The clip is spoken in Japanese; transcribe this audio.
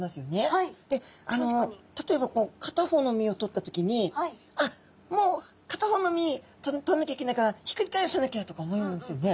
例えばこう片方の身を取った時にあっもう片方の身取んなきゃいけないからひっくり返さなきゃとか思いますよね。